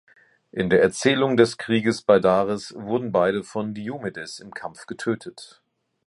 In der Erzählung des Krieges bei Dares wurden beide von Diomedes im Kampf getötet.